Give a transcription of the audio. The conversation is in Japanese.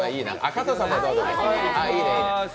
加藤さんもどうぞどうぞ。